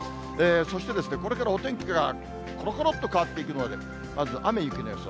そしてこれからお天気がころころっと変わっていくので、まず、雨や雪の予想。